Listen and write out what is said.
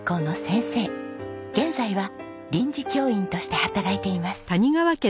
現在は臨時教員として働いています。